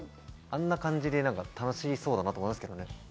あんな感じで楽しそうかなと思います。